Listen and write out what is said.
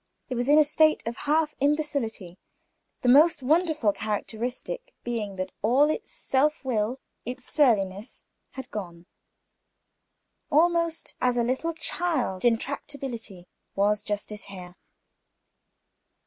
It was in a state of half imbecility; the most wonderful characteristic being, that all its self will, its surliness had gone. Almost as a little child in tractability, was Justice Hare.